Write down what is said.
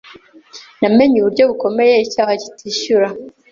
Namenye uburyo bukomeye icyaha kitishyura.